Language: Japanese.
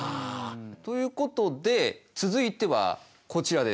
ということで続いてはこちらです。